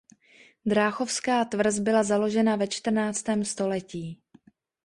Dráchovská tvrz byla založena ve čtrnáctém století.